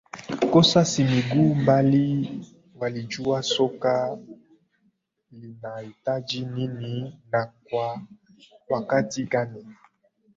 kosa si miguu bali walijua soka linaitaji nini na kwa wakati gani